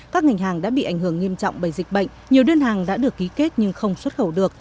các ngành hàng đã bị ảnh hưởng nghiêm trọng bởi dịch bệnh nhiều đơn hàng đã được ký kết nhưng không xuất khẩu được